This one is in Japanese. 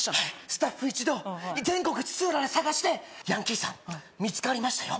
スタッフ一同全国津々浦々探してヤンキーさん見つかりましたよ